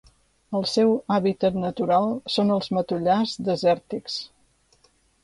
El seu hàbitat natural són els matollars desèrtics.